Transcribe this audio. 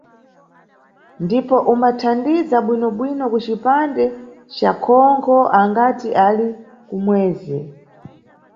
Ndipo umbathandiza bwinobwino kucipande ca khonkho angati ali kumwezi.